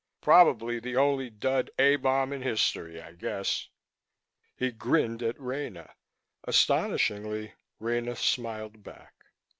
Probably the only dud A bomb in history, I guess." He grinned at Rena. Astonishingly, Rena smiled back.